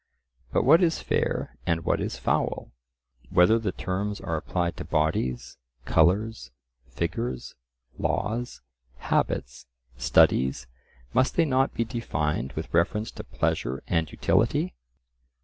But what is fair and what is foul; whether the terms are applied to bodies, colours, figures, laws, habits, studies, must they not be defined with reference to pleasure and utility?